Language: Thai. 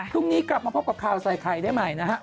พรุ่งนี้กลับมาพบกับข่าวใส่ไข่ได้ใหม่นะฮะ